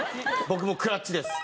僕もクラッチです。